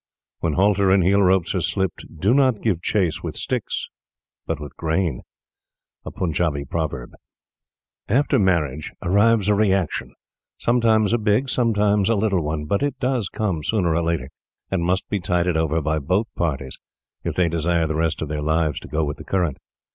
"When halter and heel ropes are slipped, do not give chase with sticks but with gram." Punjabi Proverb. After marriage arrives a reaction, sometimes a big, sometimes a little one; but it comes sooner or later, and must be tided over by both parties if they desire the rest of their lives to go with the current.